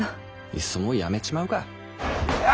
いっそもう辞めちまうか。